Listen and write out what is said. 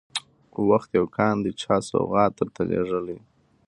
وخت يو كان دى چا سوغات درته لېږلى